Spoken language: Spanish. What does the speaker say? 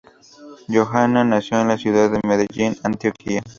Johanna nació en la ciudad de Medellín, Antioquia.